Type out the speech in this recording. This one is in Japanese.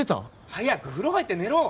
早く風呂入って寝ろ！